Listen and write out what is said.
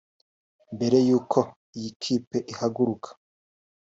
Mbere y’uko iyi kipe ihaguruka